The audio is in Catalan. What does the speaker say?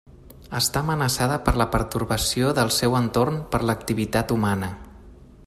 Està amenaçada per la pertorbació del seu entorn per l'activitat humana.